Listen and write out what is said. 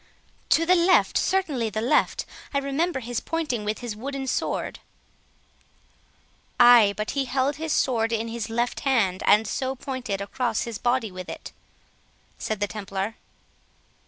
"To the left, certainly, the left; I remember his pointing with his wooden sword." "Ay, but he held his sword in his left hand, and so pointed across his body with it," said the Templar.